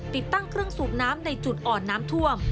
ติดตั้งเครื่องสูบน้ำในจุดอ่อนน้ำท่วม